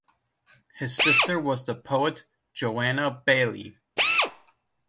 His sister was the poet Joanna Baillie.